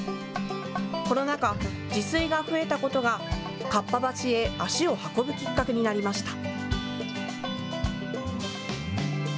コロナ禍、自炊が増えたことがかっぱ橋へ足を運ぶきっかけになりました。